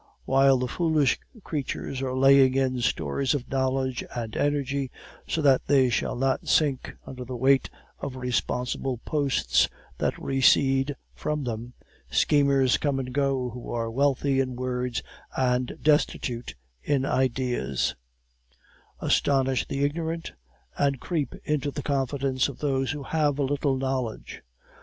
While the foolish creatures are laying in stores of knowledge and energy, so that they shall not sink under the weight of responsible posts that recede from them, schemers come and go who are wealthy in words and destitute in ideas, astonish the ignorant, and creep into the confidence of those who have a little knowledge.